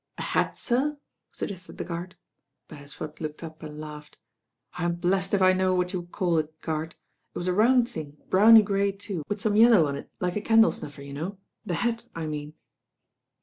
"A hat, sir?" suggested the guard. Beresford looked up and laughed. "I'm blessed if I know what you would call it, guard. It was a round thing, browny grey too, with some yellow on THE PURSUIT TO FOLKESTONE lf9 it like a candle snuffer, you know, the hat I mean."